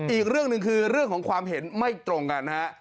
อีกเรื่องหนึ่งคือเรื่องของความเห็นไม่ตรงกันฮะ